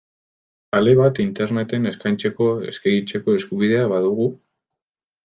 Ale bat Interneten eskaintzeko, eskegitzeko, eskubidea badugu?